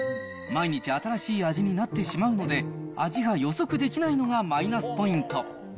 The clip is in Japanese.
毎日、新しい味になってしまうので、味が予測できないのがマイナスポイント。